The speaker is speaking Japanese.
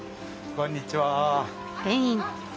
こんにちは。